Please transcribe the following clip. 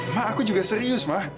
ma aku juga serius ma